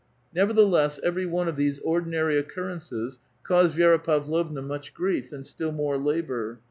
Nevertheless, every one of these ordinary occur rences caused Vi^ra Pavlovna much grief, and still more labor.